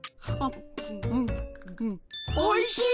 おいしい！